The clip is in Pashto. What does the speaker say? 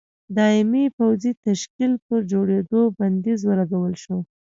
دایمي پوځي تشکیل پر جوړېدو بندیز ولګول شو.